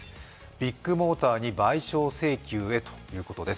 ビッグモーターに賠償請求へということです。